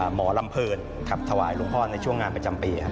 หมอลำเพลินขับถวายหลวงพ่อในช่วงงานประจำปี